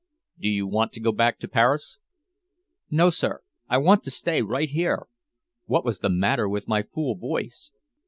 "Do you want to go back to Paris?" "No, sir! I want to stay right here!" What was the matter with my fool voice?